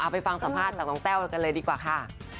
ไปฟังสัมภาษณ์จากน้องแต้วกันเลยดีกว่าค่ะ